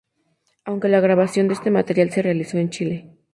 Aunque la grabación de este material se realizó en Chile.